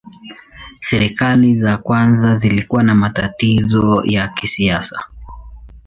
Serikali za kwanza zilikuwa na matatizo ya kisiasa.